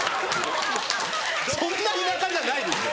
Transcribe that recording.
そんな田舎じゃないでしょ。